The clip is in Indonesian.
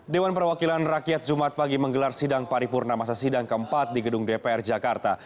dewan perwakilan rakyat jumat pagi menggelar sidang paripurna masa sidang keempat di gedung dpr jakarta